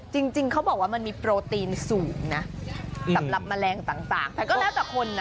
จริงเขาบอกว่ามันมีโปรตีนสูงนะสำหรับแมลงต่างแต่ก็แล้วแต่คนนะ